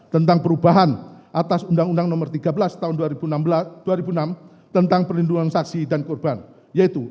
tentang perubahan atas undang undang nomor tiga belas tahun dua ribu enam tentang perlindungan saksi dan korban yaitu